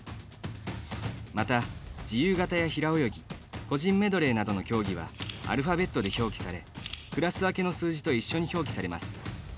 また、自由形や平泳ぎ個人メドレーなどの競技はアルファベットで表記されクラス分けの数字と一緒に表記されます。